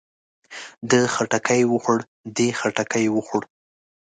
ده خټکی وخوړ. دې خټکی وخوړ.